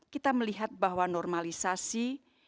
kita melihat bahwa normalisasi